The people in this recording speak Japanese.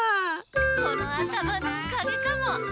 このあたまのおかげかも！